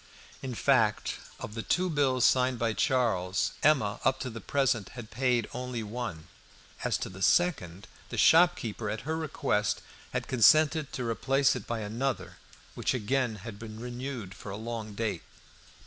In fact, of the two bills signed by Charles, Emma up to the present had paid only one. As to the second, the shopkeeper, at her request, had consented to replace it by another, which again had been renewed for a long date.